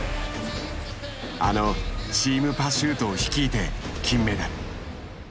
あの「チーム・パシュート」を率いて金メダル。